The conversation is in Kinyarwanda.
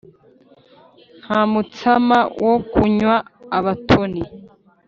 Nta mutsama wo kunywa abatoni